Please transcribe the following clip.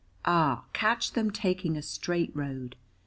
Ah, catch them taking a straight road.